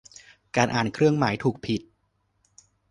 การอ่านเครื่องหมาย ถูก ผิด